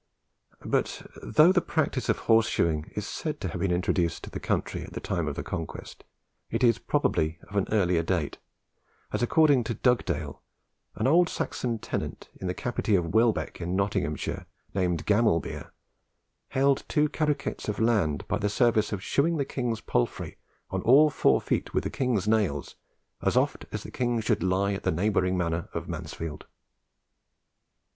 But though the practice of horse shoeing is said to have been introduced to this country at the time of the Conquest, it is probably of an earlier date; as, according to Dugdale, an old Saxon tenant in capite of Welbeck in Nottinghamshire, named Gamelbere, held two carucates of land by the service of shoeing the king's palfrey on all four feet with the king's nails, as oft as the king should lie at the neighbouring manor of Mansfield.